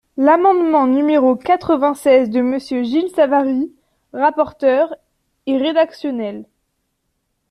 L’amendement numéro quatre-vingt-seize de Monsieur Gilles Savary, rapporteur, est rédactionnel.